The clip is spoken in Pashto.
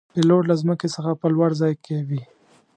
پیلوټ له ځمکې څخه په لوړ ځای کې وي.